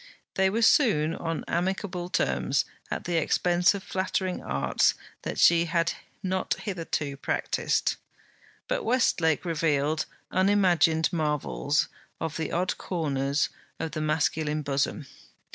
They were soon on amicable terms, at the expense of flattering arts that she had not hitherto practised. But Westlake revealed unimagined marvels of the odd corners of the masculine bosom.